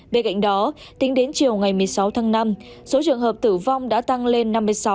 bên cạnh đó tính đến chiều ngày một mươi sáu tháng năm số trường hợp tử vong đã tăng lên năm mươi sáu